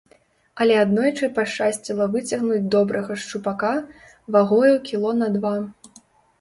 Але аднойчы пашчасціла выцягнуць добрага шчупака, вагою кіло на два.